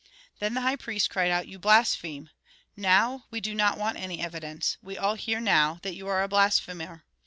Then the high priest cried out: "You blaspheme! Now we do not want any evidence. We all hear, now, that you are a blasphemer."